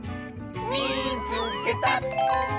「みいつけた！」。